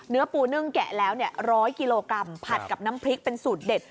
เนื้อปูนึ่งแกะแล้ว๑๐๐กิโลกรัมผัดกับน้ำพริกเป็นสูตรเด็ด